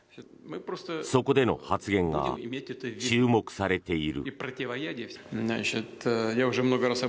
そこでの発言が注目されている。